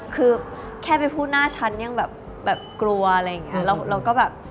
คือแค่ไปพูดหน้าฉันยังแบบกลัวอะไรอย่างนี้